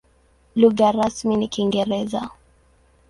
Lugha rasmi ni Kiingereza.